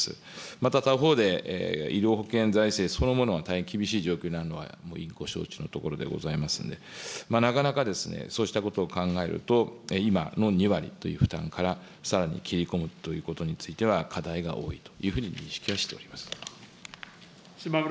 また他方で、医療保険財政、そのものは大変厳しい状況なのは、もう委員ご承知のことでございますんで、なかなかそうしたことを考えると、今の２割という負担から、さらに切り込むということについては、課題が多いというふうに認識はしております。